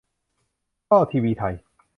ก็ ทีวีไทย